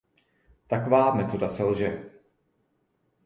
Taková metoda selže.